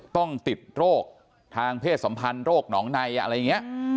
ต้องติดโรคทางเพศสัมพันธ์โรคหนองในอะไรอย่างนี้